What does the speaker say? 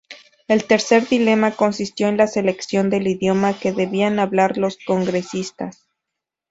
El tercer dilema consistió en la selección del idioma que debían hablar los congresistas.